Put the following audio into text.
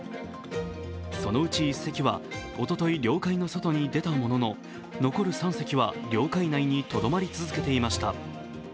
そのうち１隻はおととい、領海の外に出たものの残る３隻は領海内にとどまり続けていました。